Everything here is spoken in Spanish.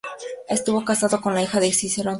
Estuvo casado con la hija de Cicerón, Tulia.